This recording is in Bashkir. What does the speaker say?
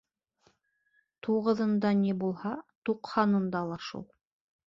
Туғыҙыңда ни булһа, туҡһанында ла шул.